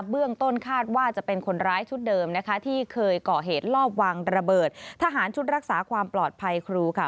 เบื้องต้นคาดว่าจะเป็นคนร้ายชุดเดิมนะคะที่เคยก่อเหตุลอบวางระเบิดทหารชุดรักษาความปลอดภัยครูค่ะ